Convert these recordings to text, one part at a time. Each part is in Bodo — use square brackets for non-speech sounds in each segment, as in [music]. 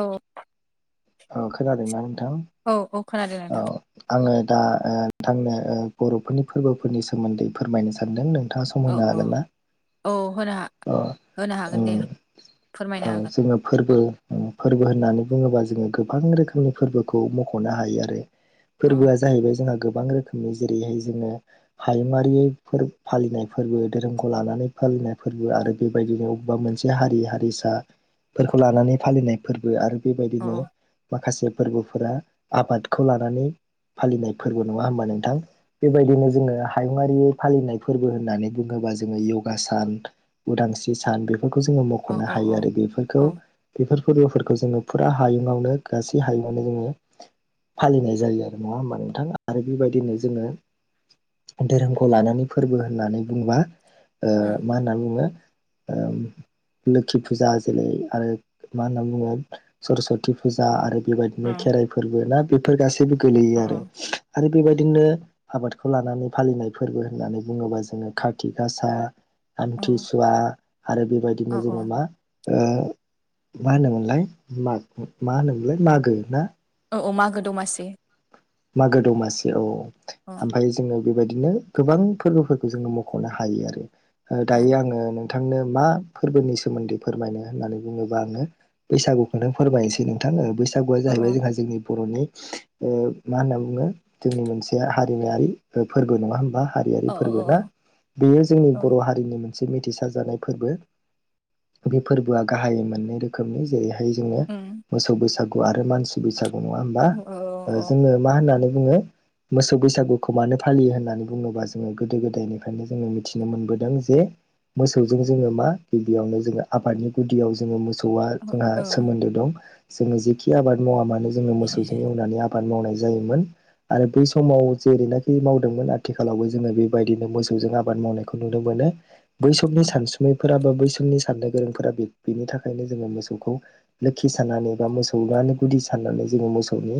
औ। औ खोनादोंना नोंथां औ औ खोनादों औ नोंथां आङो। दा ओ नोंथांनो बरफोरनि फोरबोफोरनि सोमोन्दै फोरमायनो सानदों नों थां सम औ होनो औ हागोन ना औ होनो हा अ होनो अ। हागोन दे औ फोरमायनो हागोन जोङो फोरबो उम फोरबो होननानै। बुङोबा जोङो गोबां रोखोमनि फोर्बोखौ मखनो हायो आरो औ फोर्बोआ जाहैबाय जोंहा गोब बां रोखोमनि जेरैहाय जोङो हायुङारि फोर फालिनाय फोर्बो धोरोमखौ लानानै फा लिनाय फोरबो आरो बेबायदिनो अबेबा मोनसे हारि हारिसा। फोरखौ लानानै फालिनाय फोर्बो आरो औ बेबायदिनो। माखासे फोर्बोफोरा आबादखौ लानानै। फालिनाय फोर्बो नङा होमबा नोंथां बेबायदिनो जोङो हायुङारि फालिनाय फोर्बो होननानै बुङो ब्ला जोङो इउगा सान उदांस्रि सान बे खौ जोङो औ मखनो औ औ हायो आरो बेफोरखौ औ बेफोर फोर्बोफोरखौ जोङो फुरा हायुं आवनो गासै हायुंआवनो जोङो। फालिनाय जायो आरो नङा होमबा नोंथां आरो बेबायदिनो जोङो। धोरोमखौ लानानै फोरबो होननानै बुंङोबा ओ उम माहोनना नै बुङो। ओम लोखि फुजा जोलै आरो मा होनना बुङो सरसत थि फुजा आरो औ बेबायदिनो खेराइ फोर्बो ना बेफोर गासैबो गोलैयो औ आरो। आरो बेबायदिनो आबादखौ लानानै फालिनाय फोर्बो होननानै बुङोबा जोङो कार्तिक गासा। औ आमथि सुवा। आरो औ बेबायदिनो जोङो मा ओ मा होनोमोनलाय माग मा होनोमोनलाय मागो ना? औ मागो दमासि। मागो दमासि औ अ ओमफ्राय जोङो। बेबादिनो गोबां फोर्बोफोरखौ जोङो मख'नो हायो आरो ओ अ दायो आङो नों थांनो मा फोर्बोनि सोमोन्दै फोरमायनो होननानै बुङोबा आङो। बैसागुखौनो फोरमायनोसै नोंथाङा बैसागुआ औ जाहैबाय जोंहा जोंनि बर'नि ओ। मा होनना बुङो जोंनि मोनसेया हारिमायारि फोर्बो नङा होमबा। औ हारियारि फोर्बो ना औ बेयो जोंनि औ बर' हारिनि मोन से मिथिसार जानाय फोर्बो बे फोर्बोआ गाहायै मोननै रोखोमनि जेरैहा हाय जोङो उम मोसौ बैसागु आरो मानसि बैसाग अ अ अ अ मा होननानै बुङो। मोसौ बैसागुखौ मानो फालियो होननानै बुङोबा जोङो गोदो गोदायनिफ्रायनो जोङो मिथिनो मोनबोदों जे। मोसौजों जोङो मा गिबियावनो जोङो आफादनि गुदियाव जोङो मोसौ। आ जोंहा औ सोमोन्दो दं जोङो जेखि आबाद मावा मानो मोसौजों एवनानै आब बाद मावनाय जायोमोन। आरो बै समाव जेरैनाखि मावदोंमोन आथिखालावबो जोङो बेबायदिनो मोसौजों आबाद मावनायखौ नुनो मोन नो बै समनि सानसुमैफोराबो। बै समनि साननो गोरोंफोरा बे-बेनि थाखायनो जोङो मोसौखौ लोखि सानानै बा मोसौआनो गुदि। साननानै जोङो मोसौनि।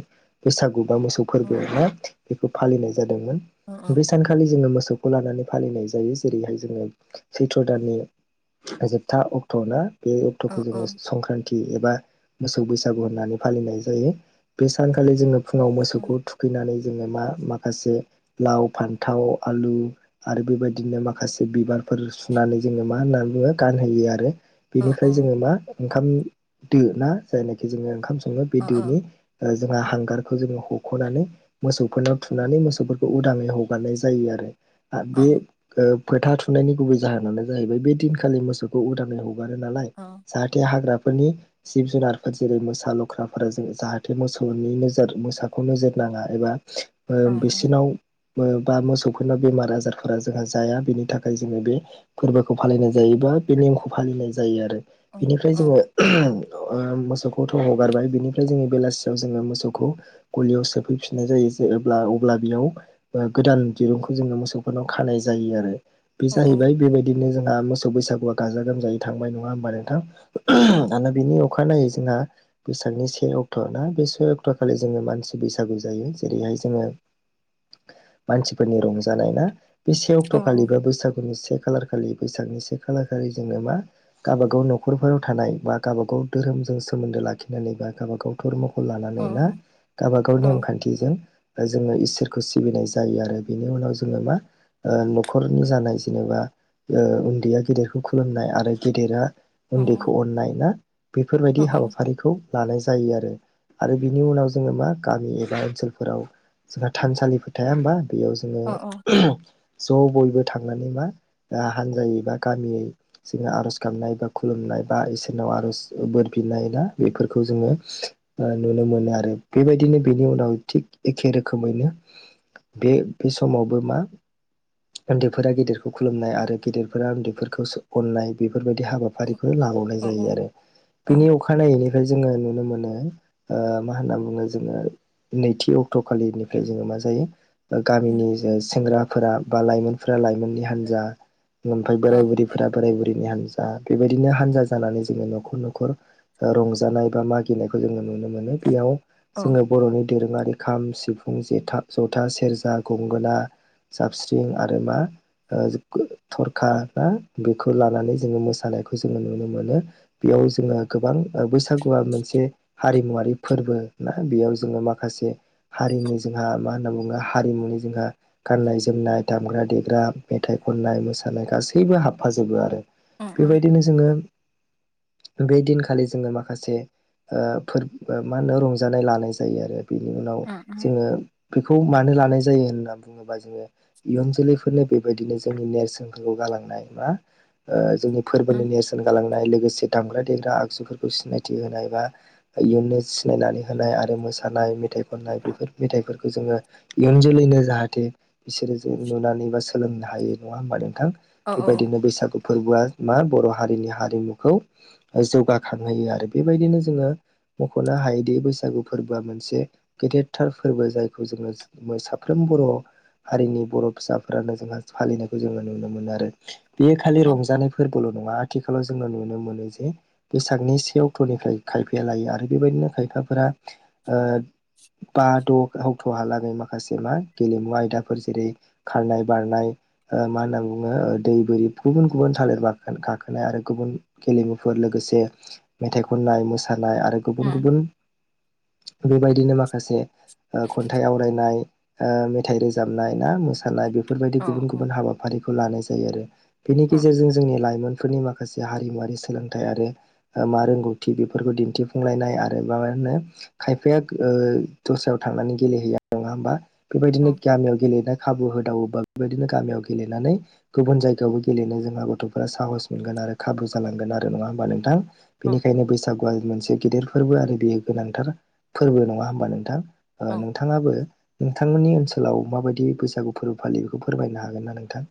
बैसागु बा मोसौ फोर्बोआवनो बेखौ फालिनाय जादोंमोन औ औ बे सानखालि जोङो मोसौ। खौ लानानै फालिनाय जायो जेरैहाय जोङो सैथ्र दाननि। जोबथा अक्ट' ना बे अक्ट'खौ जोङो औ सनक्रानति एबा मोसौ बैसागु होननानै फालिनाय जायो बे सान खालि जोङो फुङाव मोसौखौ थुखैनानै जोङो मा माखासे लाव फानथाव आलु आरो बेबायदिनो माखासे बिबार फोर सुनानै जोङो मा होननानै बुङो गानहोयो आरो बेनिफ्राय जोङो मा ओंखाम दोना जायनाखि जोङो ओंखाम सं ङो औ बे दैनि ओ जोंहा हांगारखौ जोङो हख'नानै मोसौफोरनाव थुनानै मोसौफोरखौ उदाङै हगारनाय जायो आरो बे फोथा थुनायनि गुबै जाहोनानो जाहैबाय बे दिनखालि मोसौखौ उदाङै ह गारो नालाय जाहाथे हाग्रा नि जिब जुनारफोर जेरै मोसा लख्राफोरा जाहाथे मोसौ नि नोजोर मोसाखौ नोजोर नाङा एबा बिसिनाव बा मोसौफोरनाव बेमार आजारफोरा जोंहा जाया बेनि थाखाय जोङो बे फोरबोखौ फालिनाय जायो। बा बे नेमखौ फालिनाय जायो आरो बिनिफ्राय जोङो ओ मोसौखौ थौ हगारबाय बिनिफ्राय जोङो बेलासि जोङो मोसौखौ गलियाव सोफैफिनाय जायो अब्ला बेयाव गोदान दिरुं जोंङो मोसौफोरनाव खानाय जायो आरो बे जाहैबाय बेबायदिनो जोंहा मोसौ बैसागुआ गाजा गोमजायै थांबाय नङा होमबा नोंथां दाना बिनि अखानायै जोंहा बैसागनि से अक्ट' ना बे से अक्त' खालि जोङो मानसि बैसागु जायो जेरैहाय जोङो मानसिफोरनि रंजानाय ना बे से अक्ट'खालि बा बोसाग नि से खालार खालि बैसागनि से खालार खालि जोंनो मा गावबा गाव न'खरफोराव थानाय बा गावबा गाव धोरोमजों सोमोनदो लाखिनानै बा गावबा गाव धरम' खौ लानानै ना गावबा गाव नेम खानथिजों जोङो इसोरखौ सिबिनाय जायो आरो बेनि उनाव जोङो मा न'खरनि जानाय जेनेबा ओ उनदैया गेदेरखौ खुलुमनाय आरो गेदेरा उनदैखौ अननाय ना बेफोरबायदि हाबाफारिखौ लानाय जायो आरो आरो बिनि उनाव जोङो मा गामि एबा ओनसोलफोराव जोंहा थानसालिफोर थाया होमबा बेयाव जोङो ज' बयबो थांनानै मा हानजायै बा गामियै जोङो आर'ज गाबनाय बा खुलुमनाय बा इसोरनाव आर'ज बोर बिनाय ना बेफोरखौ जोङो नुनो मोनो आरो बेबायदिनो बेनि उनाव थिग एखे रोखोमैनो बे बे समावबो मा उनदैफोरा गेदिरखौ खुलुमनाय आरो गेदेरफोरा उनदैफोरखौसो अननाय बे बेफोरबायदि हाबाफारिखौ लाबावनाय औ औ जायो आरो बिनि औ अखानायैनिफ्राय जोङो नुनो मोनो ओ मा होनना बुङो जोङो नैथि अक्ट' खालिनिफ्राय जोङो मा जायो गामिनि सेंग्राफोरा बा लाइमोनफोरा लाइमोननि हानजा ओमफ्राय बोराय औ बुरैफोरा बोराय बुरि हानजा बेबायदिनो हानजा जानानै जोङो न'खर न'खर रंजानाय बा मागिनायखौ जोङो नुनो मोनो बेयाव औ जोङो बर'नि दोरोङारि खाम सिफुं जेथा ज'था सेरजा गंगोना जाबस्रिं आरो मा ओ थरखा बा बेखौ लानानै जोङो मोसानायखौ जोङो नुनो मोनो बेयाव जोंहा गोबां ओ बैसागुआ मोनसे हारिमुआरि फोरबो ना बेयाव जोङो माखासे हारिनि जोंहा मा होनना बुङो हारिमुनि जोंहा गाननाय-जोमनाय, दामग्रा-देग्रा, मेथाइ खननाय, मोसानाय गासैबो हाबफाजोबो आरो। औ बेबायदिनो जोङो बे दिनखालि जोङो माखासे ओ फोर बा मा होनो रंजानाय लानाय जायो आरो बेनि उनाव जोङो बेखौ मानो लानाय जायो होनना बुङोबा जोङो इयुन जोलैफोरनो बेबायदिनो जोंनि नेरसोनखौ गालांनाय मा ओ जोंनि फोरबोनि नेरसोन गालांनाय लोगोसे दामग्रा-देग्रा आगजुफोरखौ सिनायथि होनाय बा इयुननो सिनायनानै होनाय आरो मोसानाय मेथाइ खननाय बेफोर मेथाइफोरखौ जोङो इयुन जोलैनो जाहाथे बिसोरो जों नुनानै बा सोलोंनो हायो। नङा होमबा नोंथां? बेबायदिनो बैसागु फोरबोआ मा बर' हारिनि हारिमुखौ जौगाखांहोयो आरो बेबायदिनो जोङो मख'नो हायोदि बैसागु फोरबोआ मोनसे गेदेरथार फोरबो जायखौ जोङो मो साफ्रोमबो बर' हारिनि बर' फिसाफोरानो जोंहा फालिनायखौ जोङो नुनो मोनो आरो। बेयो खालि रंजानाय फोरबोल' नङा आथि खालाव जोङो नुनो मोनो जे बैसागनि से अक्ट'निफ्राय खायफाया लायो आरो बे बायदिनो खायफाफोरा ओ बा द' अक्ट'हा लागै माखासे मा गेलेमु आयदाफोर जेरै- खारनाय बारनाय ओ मा होनना बुङो ओ दै बोरि गुबुन गुबुन थालिर बारखोनाय गाखोनाय आरो गुबुन गेलेमुफोर लोगोसे मेथाइ खननाय मोसानाय आ गुबुन गुबुन बे बायदिनो माखासे ओ खन्थाइ आवरायनाय ओ मेथाइ रोजाबनाय ना मोसानाय बेफोरबायदि गुबुन गुबुन हाबाफारिखौ लानाय जायो आरो। बेनि गेजेरजों जोंनि लाइमोन फोरनि माखासे हारिमुवारि सोलोंथाइ आरो ओ मा रोंगौथि बेफोरखौ दिन्थि फुंलायनाय आरो माबा होनो खायफाया ओ दस्रायाव थांनानै गेलेहैया। नङा होमबा? बेबायदिनो गामियाव गेलेनाय खाबु होदावोबा बेबायदिनो गामियाव गेलेनानै गुबुन जायगायावबो गेलेनो जोंहा गथ'फोरा साहस मोनगोन आरो खाबु जालांगोन आरो। नङा होमबा नोंथां? बेनिखायनो बैसागुआ मोनसे गेदेर फोरबो आरो बेयो गोनांथार फोरबो। नङा होमबा नोंथां? ओ नोंथाङाबो नोंथांमोननि ओनसोलाव माबायदि बैसागु फोरबो फालियो बेखौ फोरमायनो हागोन ना नोंथां?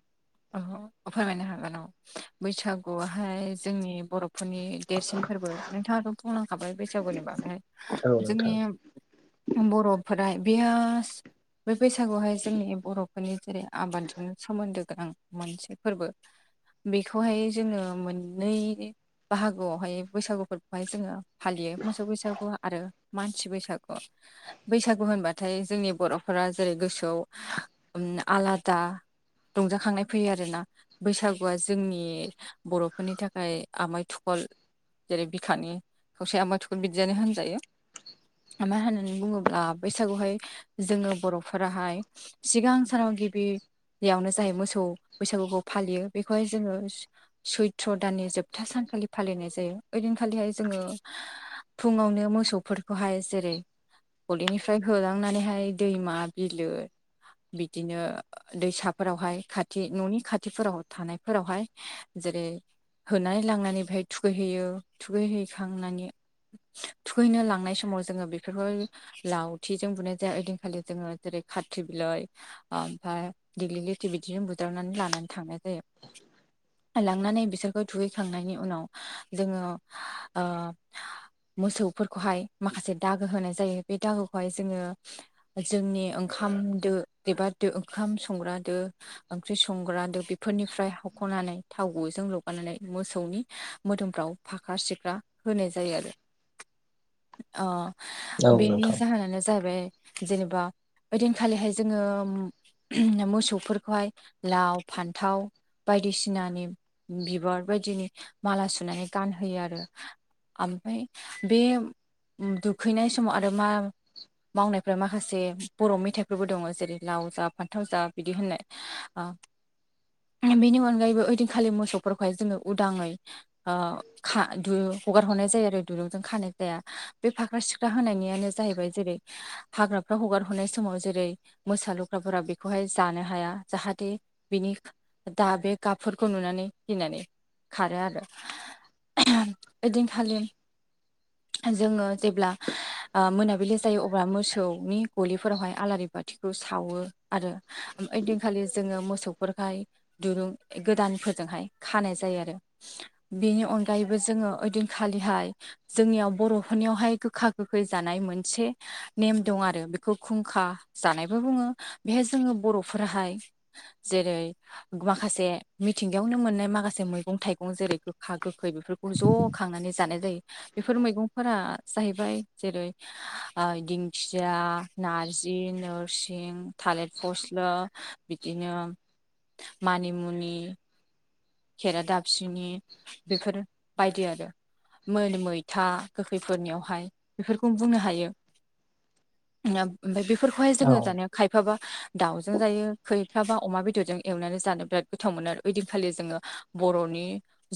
अह' फोरमायनो हागोन औ बैसागुवाहाय जोंनि बर' फोरनि देरसिन फोरबो नोंथाङाथ' बुंलांखाबाय बैसागुनि बागैहाय औ जोंनि नोंथां बर'फोरा बेया बै बैसागुआवहाय जोंनि बर'फोरनि जेरै- आबादजों सोमोन्दो गोनां मोनसे फोरबो बेखौहाय जोङो मोननै बाहागोआवहाय बैसागुफोरखौहाय जोङो फालियो मोसौ बैसागु आरो मानसि बैसागु बैसागु होनबाथाय जोंनि बर'फोरा जेरै गोसोआव उम आलादा रंजाखांनाय फैयो आरोना बैसागुआ जोंनि बर'फोरनि थाखाय आमाय थुखल जेरै बिखानि ससे आमाय थुखल बिदियानो होनजायो। आमाय होननानै बुङोब्ला बैसागुहाय जोंङो बर'फोराहाय सिगां सानाव गिबियावनो जायो मोसौ बैसागुखौ फालियो बेखौहाय जोंङो स-सैथ्र' दाननि जोबथा सानखालि फालिनाय जायो दिनखालिहाय जोंङो फुङावनो मोसौफोरखौहाय जेरै गदलिनिफ्राय होलांनानैहाय दैमा बिलो बिदिनो दैसाफोरावहाय खा थि न'नि खाथिफोराव थानायफोरावहाय जेरै होनानै लांनानै बेहाय थुखैहैयो थुखैहैखांनानै थुखैनो लांनाय समाव जोंङो बेफोरखौहाय लावथिजों बुनाय जाया ओइदिनखालि जोंङो जेरै बे खाथि बिलाइ आमफाय दिगलिलिथि बिदिजों सिदावनानै लानानै थांनाय जायो। लांनानै बिसोरखौहाय दुगैखांनायनि उनाव जोंङो ओ मोसौफोरखौहाय माखासे दागो होनाय जायो बे दागोखौहाय जोंङो जोंनि ओंखा खाम दो एबा दो ओंखाम संग्रा दो ओंख्रि संग्रा दो बेफोरनिफ्राय हख'नानै थाव गुयै जों लगायनानै मोसौनि मोदोमफ्राव फाख्रा सिख्रा होनाय जायो आरो [inaudible] अ औ बेनि नोंथां जाहोनानो जाहैबाय जेनेबा बा ओइदिनखालिहाय जोंङो मोसौफोरखौहाय लाव फान्थाव बायदिसिनानि बिबार बायदिनि माला सुनानै गानहोयो आरो ओमफ्राय बे दुखैनाय समाव आरो मा मावनायफोरा माखासे बर' मेथाइफोरबो दंङ जेरै लाव जा फान्थाव जा बिदि होननाय ओ बेनि अनगायैबो ओइदिनखालि मोसौफोरखौहाय जोंङो उदाङै ओ का दुरुं हगार हरनाय जायो आरो दुरुंजों खानाय जाया बे फाख्रा सिख्रा होनायनियानो जाहैबाय जेरै हाग्रा हगार हरनाय समाव जेरै मोसा लख्राफोरा बेखौहाय जानो हाया जाहाथे बिनि दा बे गाबफोरखौ नुनानै गिनानै खारो आरो ओइदिनखालि जोंङो जेब्ला ओ मोनाबिलि जायो अब्ला मोसौनि गलिफोरावहाय आलारि बाथिखौ सावो आरो ओइदिन खालि जोंङो मोसौफोरखाय दुरुं गोदानफोरजोंहाय खानाय जायो आरो बेनि अन अनगायैबो जोंङो ओइदिनखालिहाय जोंनियाव बर'फोरनियावहाय गोखा गोखै जानाय मोनसे नेम दं आरो बेखौ खुंखा जानायबो बुङो बेहाय जोंङो बर'फोराहाय [inaudible] जेरै माखासे मिथिंगायावनो मोननाय माखासे मैगं थाइगं जेरै गोखा गोखै बेफोरखौ ज खांनानै जानाय जायो बेफोर मैंगंफोरा जाहैबाय जेरै ओ दिंखिया नारजि नोरसिं थालिर फस्ला बिदिनो मानिमुनि खेरा दाफिनि बेफोर बायदि आरो मोन मैथा गोखैफोरनियावहाय बेफोरखौनो बुंनो हायो। ओमफ्राय बेफोरखौहाय औ जोंङो दानिया खायफाबा दावजों जायो खैफ्राबा अमा बेदरजों एवनानै जानो बिराद गोथाव मोनो ओइ दिनखालि जोंङो बर'नि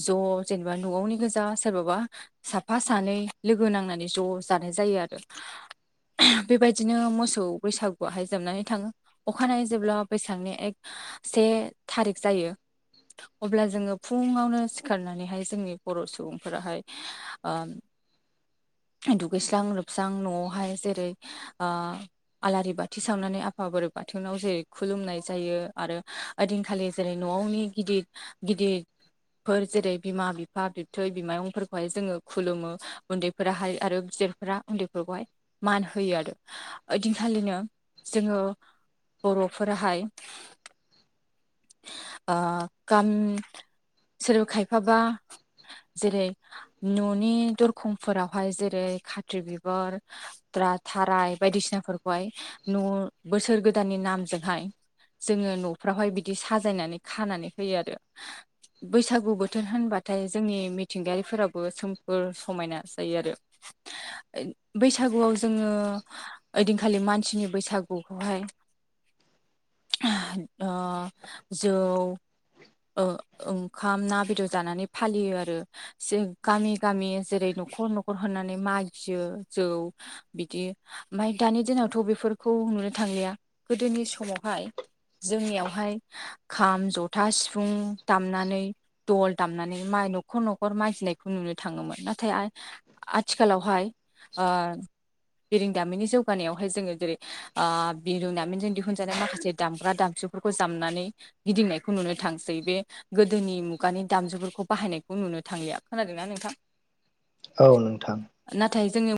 ज' जेनेबा न'आवनि गोजा सोरबाबा साफा सानै लोगो लोगो नांनानै ज' जानाय जायो आरो। बेबायदिनो मोसौ बैसागुवाहाय जोबनानै थाङो अखानायै जेब्ला बैसागनि एक से थारिख जायो [inaudible] अब्ला जोङो फुङावनो सिखारनानैहाय जोंनि बर' सुबुंफोराहाय ओ [inaudible] दुगैस्रां लोबस्रां न'आवहाय जेरै आ आलारि बाथि सावनानै आफा बोराय बाथौनाव जेरै खुलुमनाय जायो आरो ओदिनखालि जेरै न'आवनि गिदिर गिदिर फोर जेरै बिमा बिफा बिबथै बिमायंफोरखौहाय जोङो खुलुमो उन्दैफोराहाय आरो गेदेरफोरा उन्दैफोरखौहाय मान होयो आरो ओदिनखालिनो जोङो बर'फोराहाय आ गाम सोरबा खायफाबा जेरै न'नि दरखंफोरावहाय जेरै खाथ्रि बिबार थाराय बायदिसिनाफोरखौहाय न' बोसोर गोदाननि नामजोंहाय जोङो न'फ्रावहाय बिदि साजायनानै खानानै होयो आरो [inaudible] बैसागु बोथोर होनबाथाय जोंनि मिथिंगायारिफोराबो सोमखोर समायना जायो आरो बैसागुआव जोङो ओदिनखालि मानसिनि बैसागुखौहाय ओ जौ ओंखाम ना बेदर जानानै फालियो आरो गामि गामि जेरै न'खर न न'खर होननानै म गियो जौ बिदि मफ्राय दानि दिनावथ' बेफोरखौ ावह जोंनि ख जथ सिफुं दामनानै दल दामनानै म न'खर न'खर मागिनायखौ नुनो थाङोमोन नाथाय आ आथिखालावहाय बिरंदामिननि जौगानायावहाय जोङो जेरै बिरोंदामिनजों दिहुनजानाय माखासे दामग्रा दामसु फोरखौ जामनानै गिदिंनायखौ नुनो थांसै गासै बे गोदोनि मुगानि दामजुफोरखौ बाहायनायखौ नुनो थांलिया खोनादोंना नोंथां औ नोंथां नाथाय जोंनि